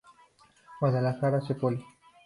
Guadalajara, C. Poli.